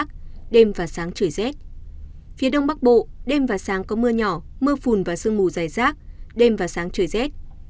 trung tâm dự báo khí tượng thủy văn quốc gia dự báo từ ngày một mươi hai tháng ba phía đông bắc bộ đêm và sáng có mưa nhỏ mưa phùn và sương mù dài rác đêm và sáng trời rét